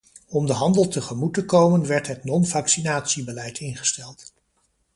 Om de handel tegemoet te komen werd het non-vaccinatie beleid ingesteld.